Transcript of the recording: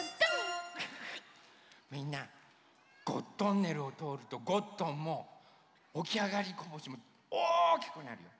みんなゴットンネルをとおるとゴットンもおきあがりこぼしもおおきくなるよ。